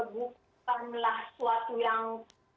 bukanlah suatu yang